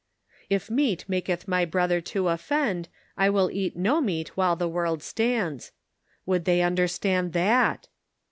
"If meat maketh my brother to offend, I will eat no meat while the world stands." Would they understand that?